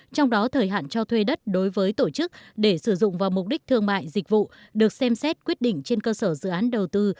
trong đó thời hạn cho thuê đất đối với tổ chức để sử dụng vào mục đích thương mại dịch vụ được xem xét quyết định trên cơ sở dự án đầu tư